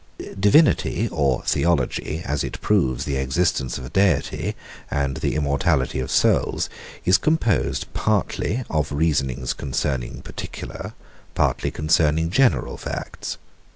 Divinity or Theology, as it proves the existence of a Deity, and the immortality of souls, is composed partly of reasonings concerning particular, partly concerning general facts.